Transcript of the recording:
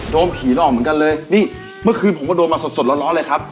โดนผีหลอกเหมือนกันเลยนี่เมื่อคืนผมก็โดนมาสดสดร้อนเลยครับ